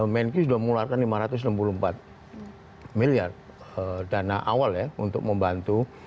menki sudah mengeluarkan rp lima ratus enam puluh empat miliar dana awal untuk membantu